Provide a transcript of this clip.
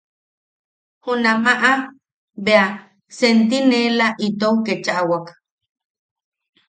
Junamaʼa bea sentiinela itou ketchaʼawak.